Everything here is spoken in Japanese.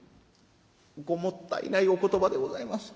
「ごもったいないお言葉でございます。